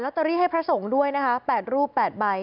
เตอรี่ให้พระสงฆ์ด้วยนะคะ๘รูป๘ใบ